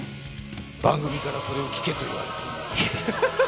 番組からそれを聞けと言われたのか？